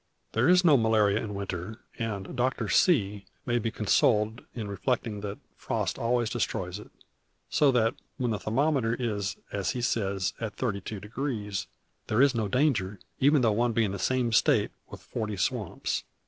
There is no malaria in winter; and Dr. C may be consoled in reflecting that frost always destroys it: so that, when the thermometer is, as he says, at thirty two degrees, there is no danger, even though one be in the same State with forty swamps.